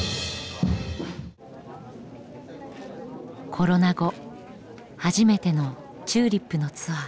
コロナ後初めてのＴＵＬＩＰのツアー。